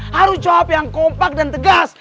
harus jawab yang kompak dan tegas